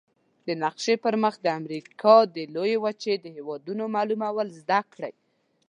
د نقشي پر مخ د امریکا د لویې وچې د هېوادونو معلومول زده کړئ.